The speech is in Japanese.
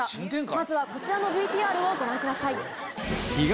まずはこちらのＶＴＲをご覧ください。